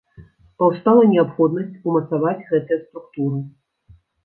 Паўстала неабходнасць умацаваць гэтыя структуры.